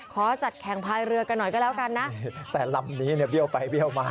ขอจัดแข่งพายเรือกันหน่อยก็แล้วกันนะแต่ลำนี้เนี่ยเบี้ยวไปเบี้ยวมา